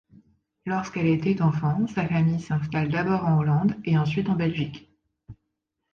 Lorsqu'elle était enfant, sa famille s'installe d'abord en Hollande et ensuite en Belgique.